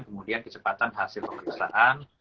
kemudian kecepatan hasil pemeriksaan